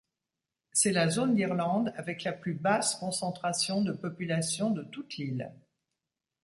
C’est la zone d’Irlande avec la plus basse concentration de population de toute l’île.